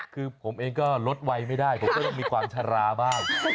คือผมเองก็ลดไวไม่ได้ผมก็ต้องมีความชะลาบ้าง